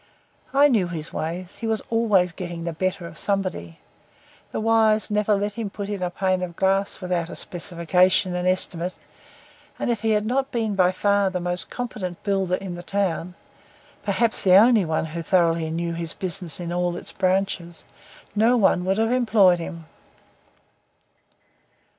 I knew his ways, He was always getting the better of somebody. The wise never let him put in a pane of glass without a specification and estimate, and if he had not been by far the most competent builder in the town perhaps the only one who thoroughly knew his business in all its branches no one would have employed him.